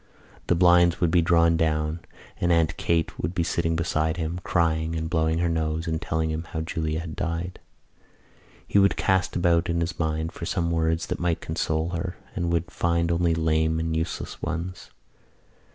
The blinds would be drawn down and Aunt Kate would be sitting beside him, crying and blowing her nose and telling him how Julia had died. He would cast about in his mind for some words that might console her, and would find only lame and useless ones.